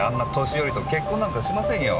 年寄りと結婚なんかしませんよ。